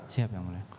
siap yang mulia